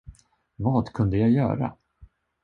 Vad kunde jag göra?